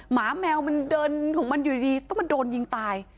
หมาแมวมันเดินของมันอยู่ดีต้องมาโดนยิงตาย